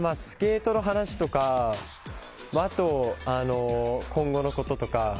スケートの話とか今後のこととか。